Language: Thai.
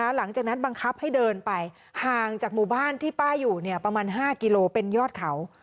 หลังจากนั้นบังคับให้เดินไปห่างจากหมู่บ้านที่ป้าอยู่ประมาณ๕กิโลเป็นยอดเขา